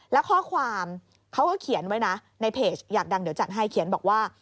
แล้วข้อความเขาก็เขียนไว้นะในเพจอยากดังเดี๋ยวจัดให้เขียนบอกว่า